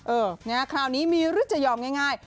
เออคราวนี้มีรุจยอมง่าย